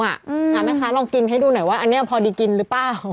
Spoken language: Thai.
แม่ค้าลองกินให้ดูหน่อยว่าอันนี้พอดีกินหรือเปล่า